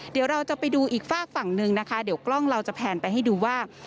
เดี๋ยวเราจะไปดูอีกฝากฝั่งหนึ่งนะคะเดี๋ยวกล้องเราจะแพนไปให้ดูว่า